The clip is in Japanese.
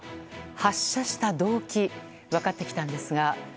発射した動機分かってきたんですが。